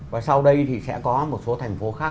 và sau đây thì sẽ có một số thành phố khác